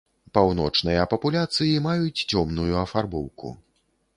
Паўночныя папуляцыі маюць цёмную афарбоўку.